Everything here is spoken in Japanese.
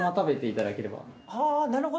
はあなるほど。